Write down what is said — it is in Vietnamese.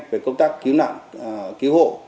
về công tác cứu nạn cứu hộ